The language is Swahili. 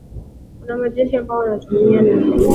kuna majeshi ambao wanatumika na raia